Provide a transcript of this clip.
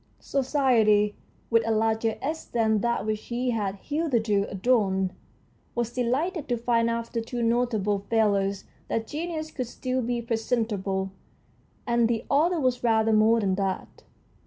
Society, with a larger S than that which he had hitherto adorned, was delighted to find after two notable failures that genius could still be presentable, and the author was rather more than that.